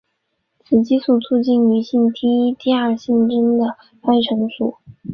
雌激素促进女性第一第二性征的发育成熟。